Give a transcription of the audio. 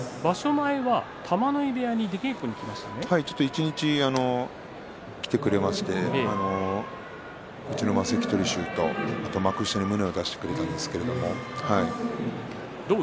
前は玉ノ井部屋に一日来てくれましてうちの関取衆と幕下に胸を出してくれたんですけど。